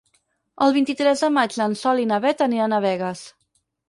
El vint-i-tres de maig en Sol i na Beth aniran a Begues.